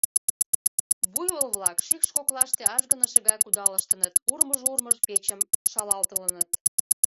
Буйвол-влак шикш коклаште ажгыныше гай кудалыштыныт, урмыж-урмыж печым шалатылыныт.